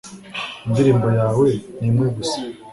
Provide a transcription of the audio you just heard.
indirimbo yawe ni imwe gusa